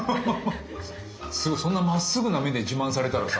すごいそんなまっすぐな目で自慢されたらさ。